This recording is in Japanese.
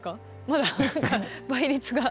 まだ倍率が。